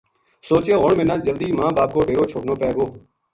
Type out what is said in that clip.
سوچیو ہن مناں جلدی ماں باپ کو ڈیرو چھوڈنو پے گو